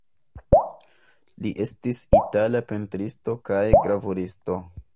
Li estis itala pentristo kaj gravuristo.